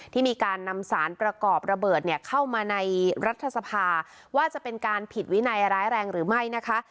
ที่มีการนำสารประกอบระเบิดเข้ามาในรัฐสภาว่าจะเป็นการผิดวินัยร้ายแรงหรือไม่นะคะ